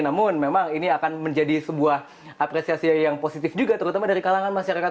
namun memang ini akan menjadi sebuah apresiasi yang positif juga terutama dari kalangan masyarakat